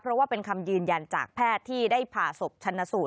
เพราะว่าเป็นคำยืนยันจากแพทย์ที่ได้ผ่าศพชันสูตร